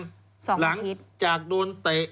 หลังจากโดนเตะ